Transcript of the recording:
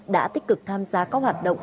đã tích cực tham gia các hoạt động